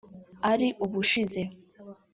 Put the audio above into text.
ari ubushize